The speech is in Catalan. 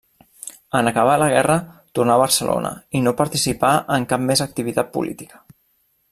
En acabar la guerra tornà a Barcelona i no participà en cap més activitat política.